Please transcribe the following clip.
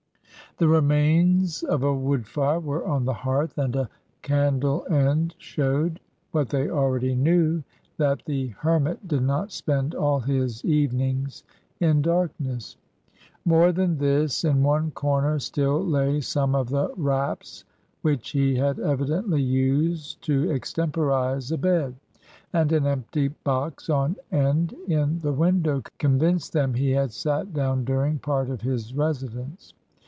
The remains of a wood fire were on the hearth, and a candle end showed (what they already knew) that the hermit did not spend all his evenings in darkness. More than this, in one corner still lay some of the wraps which he had evidently used to extemporise a bed. And an empty box on end in the window convinced them he had sat down during part of his residence.